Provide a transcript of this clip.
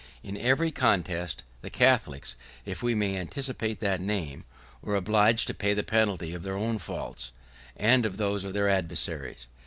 In every contest, the Catholics (if we may anticipate that name) were obliged to pay the penalty of their own faults, and of those of their adversaries.